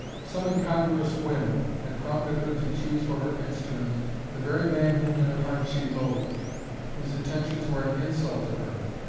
Some incongruous whim had prompted her to choose for her instrument the very man whom in her heart she loathed, whose attentions were an insult to her.